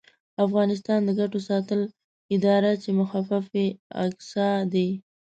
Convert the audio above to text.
افغانستان د ګټو ساتلو اداره چې مخفف یې اګسا دی